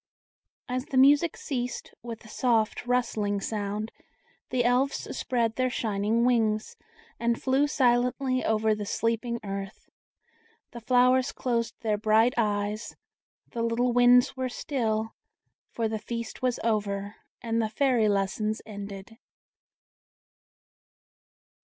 As the music ceased, with a soft, rustling sound the Elves spread their shining wings, and flew silently over the sleeping earth; the flowers closed their bright eyes, the little winds were still, for the feast was over, and the Fairy lessons ended.